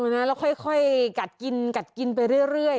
แล้วค่อยกัดกินไปเรื่อย